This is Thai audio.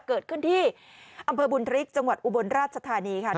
เกิดขึ้นที่อำเภอบุญริกจังหวัดอุบลราชธานีค่ะ